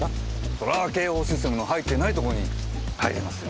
そりゃあ警報システムの入ってないとこに入りますよ。